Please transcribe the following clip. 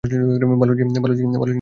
ভাল জিনিস ঘটতে দে, মারান।